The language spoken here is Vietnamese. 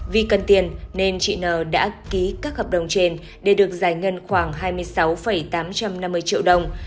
vì cần tiền nên chị n đã ký các hợp đồng trên để được giải ngân khoảng hai mươi sáu tám trăm năm mươi triệu đồng